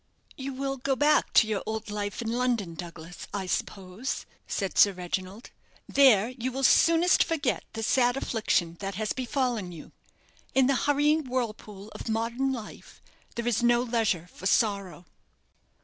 "You will go back to your old life in London, Douglas, I suppose?" said Sir Reginald. "There you will soonest forget the sad affliction that has befallen you. In the hurrying whirlpool of modern life there is no leisure for sorrow."